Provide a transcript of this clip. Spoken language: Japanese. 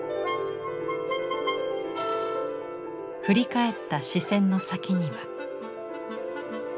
振り返った視線の先には。